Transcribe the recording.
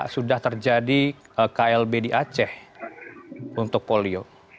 sudah terjadi klb di aceh untuk polio